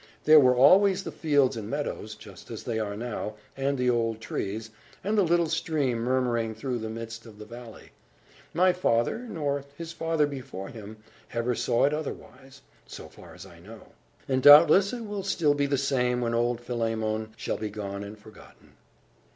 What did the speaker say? There were always the fields and meadows, just as they are now, and the old trees, and the little stream murmuring through the midst of the valley. My father, nor his father before him, ever saw it otherwise, so far as I know; and doubtless it will still be the same, when old Philemon shall be gone and forgotten!"